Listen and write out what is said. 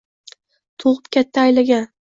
Tug‘ib katta aylagan.